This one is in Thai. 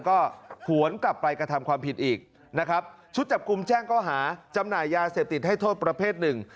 ก็หวนกลับไปกระทำความผิดอีกนะครับชุดจับกลุ่มแจ้งก็หาจำหน่ายยาเสพติดให้โทษประเภทหนึ่ง